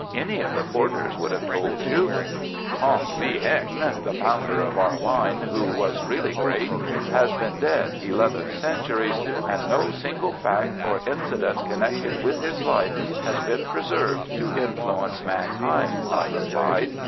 "Any of the porters would have told you." "Kong Li Heng, the founder of our line, who was really great, has been dead eleven centuries, and no single fact or incident connected with his life has been preserved to influence mankind," I replied.